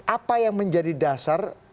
apa yang menjadi dasar